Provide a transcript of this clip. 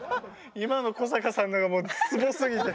今の古坂さんのがもうツボすぎて。